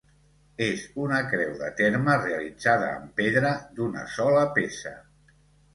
És una creu de terme realitzada en pedra, d'una sola peça.